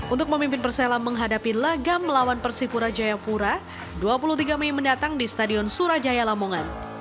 untuk memimpin persela menghadapi lagam melawan persipura jayapura dua puluh tiga mei mendatang di stadion surajaya lamongan